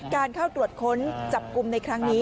การเข้าตรวจค้นจับกลุ่มในครั้งนี้